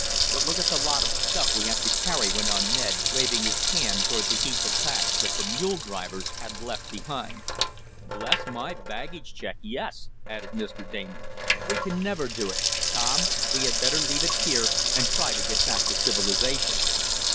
"But look at the lot of stuff we have to carry!" went on Ned, waving his hand toward the heap of packs that the mule drivers had left behind. "Bless my baggage check, yes!" added Mr. Damon. "We can never do it. Tom. We had better leave it here, and try to get back to civilization."